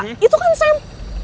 kak itu kan sam